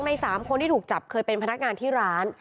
ใน๓คนที่ถูกจับเคยเป็นพนักงานที่ร้าน